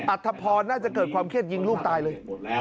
อธพรน่าจะเกิดความเครียดยิงลูกตายเลย